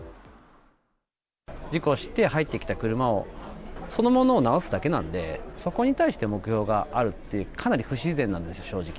事故して入ってきた車を、そのものを直すだけなんで、そこに対して目標があるって、かなり不自然なんですよ、正直。